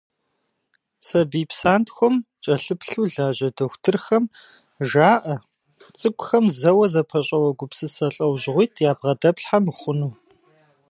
Сабий псантхуэм кӏэлъыплъу лажьэ дохутырхэм жаӏэ цӏыкӏухэм зэуэ зэпэщӏэуэ гупсысэ лӏэужьыгъуитӏ ябгъэдэплъхьэ мыхъуну.